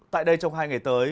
tại đây trong hai ngày tới